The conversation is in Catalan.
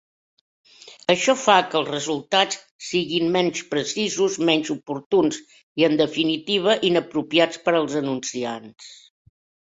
Això fa que els resultats siguin menys precisos, menys oportuns i, en definitiva, inapropiats per als anunciants.